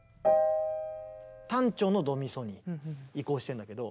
短調のドミソに移行してんだけど。